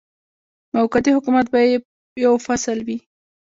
موقتي حکومت به یې یو فصل وي.